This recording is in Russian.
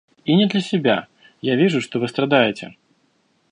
И не для себя, — я вижу, что вы страдаете.